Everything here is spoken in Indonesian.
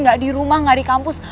gak di rumah gak di kampus